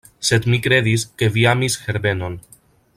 Sed mi kredis, ke vi amis Herbenon.